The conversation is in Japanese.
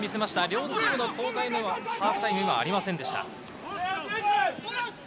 両チームのメンバーの交代はハーフタイムでありませんでした。